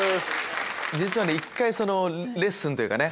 実はね１回レッスンというかね。